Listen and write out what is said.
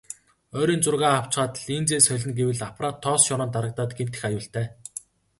Ойрын зургаа авчхаад линзээ солино гэвэл аппарат тоос шороонд дарагдаад гэмтэх аюултай.